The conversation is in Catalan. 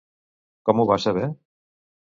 Com ho va saber?